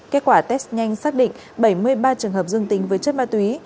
kết quả test nhanh xác định bảy mươi ba trường hợp dương tính với chất ma túy